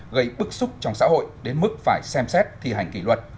gây bức xúc trong xã hội đến mức phải xem xét thi hành kỷ luật